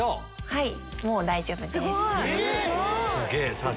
はい！